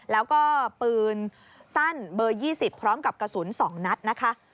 แล้วก็ปืนสั้นเบอร์๒๐พร้อมกับกระสุน๒นัดนะคะ